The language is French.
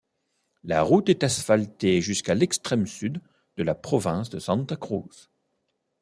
La route est asphaltée jusqu'à l'extrême sud de la Province de Santa Cruz.